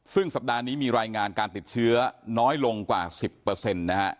ซึ่งสัปดาห์นี้มีรายงานการติดเชื้อน้อยลงกว่า๑๐นะฮะ